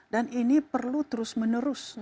dan ini perlu terus menerus